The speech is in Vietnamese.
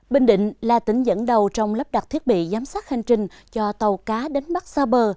bình định là tỉnh dẫn đầu trong lắp đặt thiết bị giám sát hành trình cho tàu cá đánh bắt xa bờ